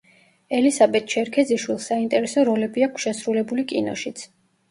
ელისაბედ ჩერქეზიშვილს საინტერესო როლები აქვს შესრულებული კინოშიც.